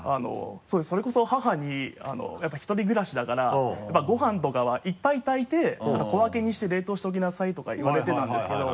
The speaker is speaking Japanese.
そうですそれこそ母に１人暮らしだからご飯とかはいっぱい炊いて小分けにして冷凍しておきなさいとか言われてたんですけど。